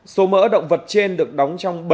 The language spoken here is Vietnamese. số mỡ động vật trên được đóng trong